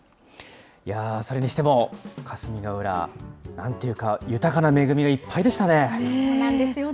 いやー、それにしても霞ケ浦、なんていうか、豊かな恵みがいっぱいでしたね。